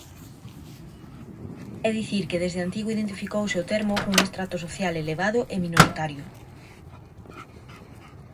É dicir que desde antigo identificouse o termo cun estrato social elevado e minoritario.